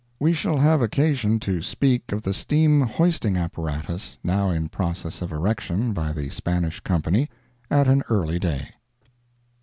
We shall have occasion to speak of the steam hoisting apparatus now in process of erection by the Spanish Company at an early day.